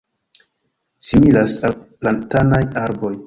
similas al platanaj arboj